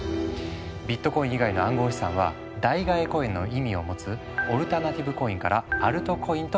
ビットコイン以外の暗号資産は「代替えコイン」の意味を持つ「オルタナティブコイン」から「アルトコイン」と呼ばれている。